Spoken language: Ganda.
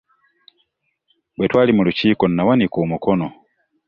Bwe twali mu lukiiko nawanika omukono.